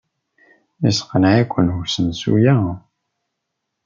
Yesseqneɛ-iken usensu-a?